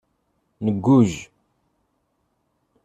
Ngujj.